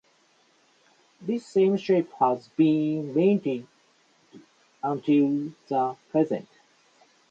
This same shape has been maintained until the present.